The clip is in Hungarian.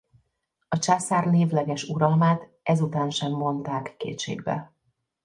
A császár névleges uralmát ezután sem vonták kétségbe.